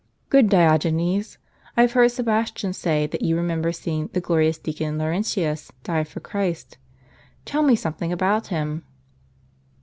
" Good Diogenes, I have heard Sebastian say that you remember seeing the glorious Deacon Laurentius die for Christ. Tell me something about him."